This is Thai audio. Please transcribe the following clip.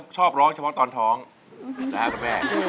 ชอบร้องเฉพาะตอนท้องนะครับคุณแม่